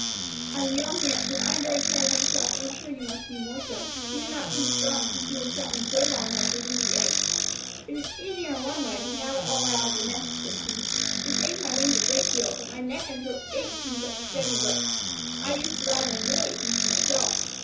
"I know," he answered. "I am very tired myself, and I am sure you must be more so. You do not seem strong since you were shut in so long while brooding the eggs." "It is easier in one way, now that all are out of the nest," said she. "It saves my wings a great deal, but my neck and throat ache from such steady work. I used to rather enjoy eating for myself.